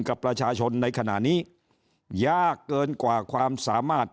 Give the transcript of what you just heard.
กับประชาชนในขณะนี้ยากเกินกว่าความสามารถ